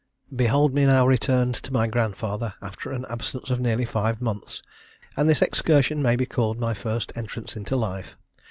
"Behold me now returned to my grandfather, after an absence of nearly five months; and this excursion may be called my first entrance into life.